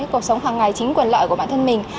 cuộc sống hàng ngày chính quyền lợi của bản thân mình